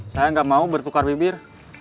saya nggak mau bertukar bibir